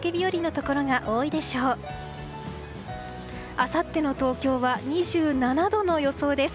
あさっての東京は２７度の予想です。